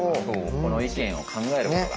この意見を考えることが。